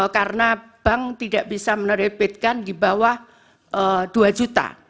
karena bank tidak bisa menerbitkan di bawah dua juta